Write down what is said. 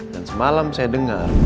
dan semalam saya dengar